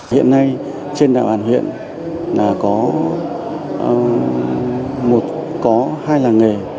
hiện nay trên đạo ản huyện có hai làng nghề